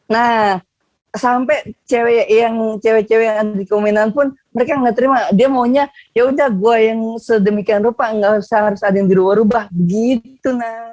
nah sampai cewek yang di kemenan pun mereka ga terima dia maunya yaudah gua yang sedemikian rupa ga usah ada yang di rumah rubah gitu